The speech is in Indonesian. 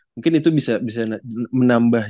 mungkin itu bisa menambah